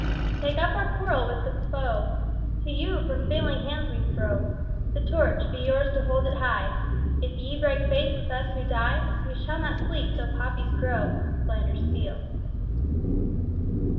Take up our quarrel with the foe: To you from failing hands we throw The Torch: be yours to hold it high! If ye break faith with us who die We shall not sleep, though poppies grow In Flanders fields.